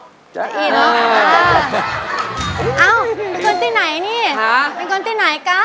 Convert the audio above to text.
เอ้าเป็นคนที่ไหนนี่เป็นคนที่ไหนกัน